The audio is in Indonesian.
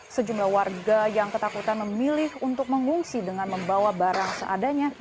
sejumlah warga yang ketakutan memilih untuk mengungsi dengan membawa barang seadanya